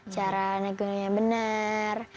cara naik gunungnya benar